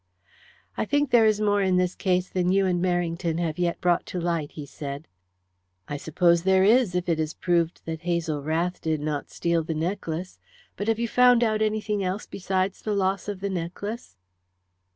"I think there is more in this case than you and Merrington have yet brought to light," he said. "I suppose there is, if it is proved that Hazel Rath did not steal the necklace. But have you found out anything else besides the loss of the necklace?"